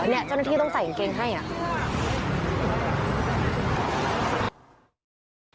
เนี่ยเจ้าหน้าที่ต้องใส่กางเกงให้อ่ะ